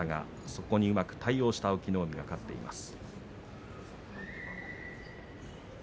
そこにうまく対応して隠岐の海が勝っています。